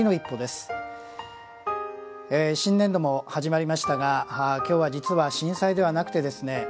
新年度も始まりましたが今日は実は震災ではなくてですね